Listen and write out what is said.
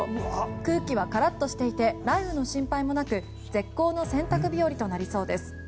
空気はカラッとしていて雷雨の心配もなく絶好の洗濯日和となりそうです。